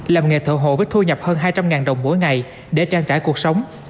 làm nghề thợ hồ với thu nhập hơn hai trăm linh đồng mỗi ngày để trang trải cuộc sống